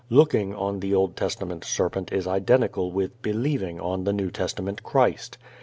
"Looking" on the Old Testament serpent is identical with "believing" on the New Testament Christ.